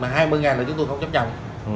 mà hai mươi ngàn là chúng tôi không chấp nhận